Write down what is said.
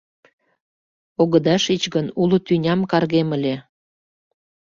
Огыда шич гын, уло тӱням каргем ыле.